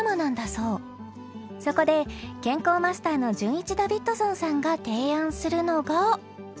［そこで健康マスターのじゅんいちダビッドソンさんが提案するのが］